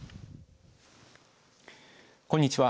こんにちは。